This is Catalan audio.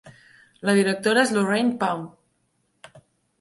La directora és Lorraine Pound.